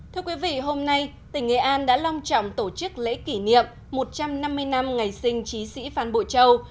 thưa quý vị hôm nay tỉnh nghệ an đã long trọng tổ chức lễ kỷ niệm một trăm năm mươi năm ngày sinh trí sĩ phan bộ châu